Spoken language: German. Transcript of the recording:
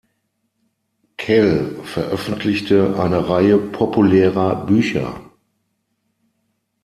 Kell veröffentlichte eine Reihe populärer Bücher.